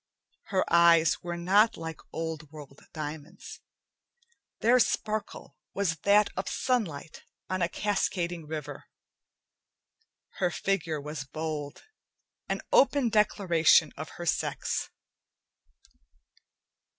Her eyes were not like old world diamonds; their sparkle was that of sunlight on a cascading river. Her figure was bold, an open declaration of her sex.